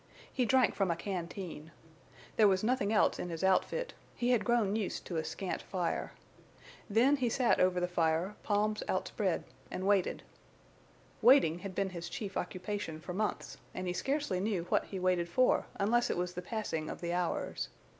He drank from a canteen. There was nothing else in his outfit; he had grown used to a scant fire. Then he sat over the fire, palms outspread, and waited. Waiting had been his chief occupation for months, and he scarcely knew what he waited for unless it was the passing of the hours.